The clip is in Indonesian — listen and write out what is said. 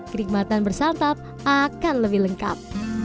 kenikmatan bersantap akan lebih lengkap